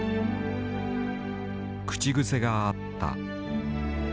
口癖があった。